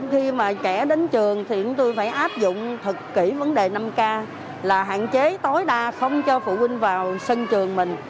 khi mà trẻ đến trường thì chúng tôi phải áp dụng thật kỹ vấn đề năm k là hạn chế tối đa không cho phụ huynh vào sân trường mình